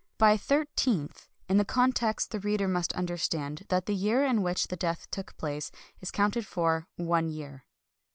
By " thirteenth " in the context the reader must understand that the year in which the death took place is counted for one year.